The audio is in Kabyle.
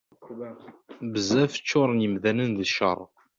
Bezzaf ččuṛen yemdanen d cceṛ.